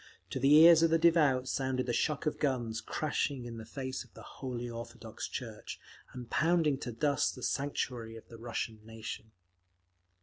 To the ears of the devout sounded the shock of guns crashing in the face of the Holy Orthodox Church, and pounding to dust the sanctuary of the Russian nation….